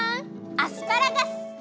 アスパラガス！